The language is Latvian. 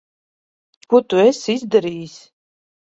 Ko tu esi izdarījis?